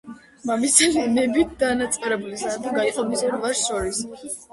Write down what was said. მამის ნებით დანაწევრებული სამეფო გაიყო მის ორ ვაჟს შორის.